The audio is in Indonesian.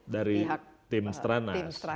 dari tim stranas